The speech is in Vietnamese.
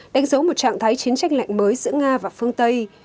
đánh dấu một trạng thái chiến tranh lạnh mới giữa nga và phương tây